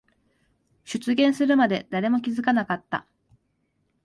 出現するまで誰も気づかなかった。